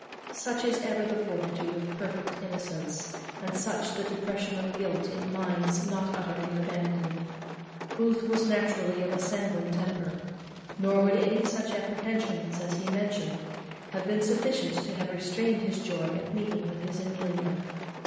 Such is ever the fortitude of perfect innocence, and such the depression of guilt in minds not utterly abandoned. Booth was naturally of a sanguine temper; nor would any such apprehensions as he mentioned have been sufficient to have restrained his joy at meeting with his Amelia.